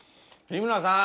日村さん。